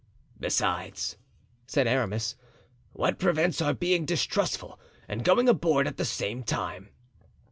"Besides," said Aramis, "what prevents our being distrustful and going aboard at the same time?